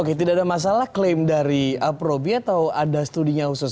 oke tidak ada masalah klaim dari proby atau ada studinya khusus